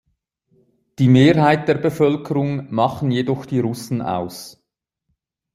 Die Mehrheit der Bevölkerung machen jedoch die Russen aus.